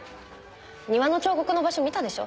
庭の彫刻の場所見たでしょ？